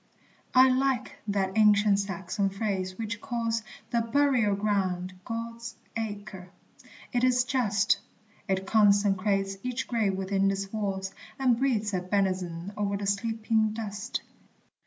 I like that ancient Saxon phrase which calls The burial ground God's Acre! It is just; It consecrates each grave within its walls, And breathes a benison o'er the sleeping dust.